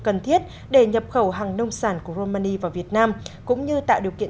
cần thiết để nhập khẩu hàng nông sản của romani vào việt nam cũng như tạo điều kiện